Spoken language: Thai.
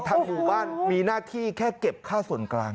หมู่บ้านมีหน้าที่แค่เก็บค่าส่วนกลาง